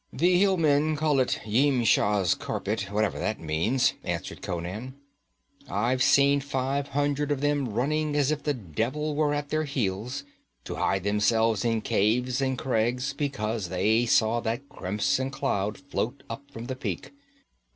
'The hill men call it Yimsha's Carpet, whatever that means,' answered Conan. 'I've seen five hundred of them running as if the devil were at their heels, to hide themselves in caves and crags, because they saw that crimson cloud float up from the peak.